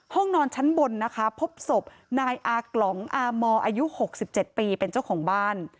ห้องนอนชั้นบนนะคะพบศพนายอากล่องอามออายุ๖๗ปีเป็นเจ้าของบ้าน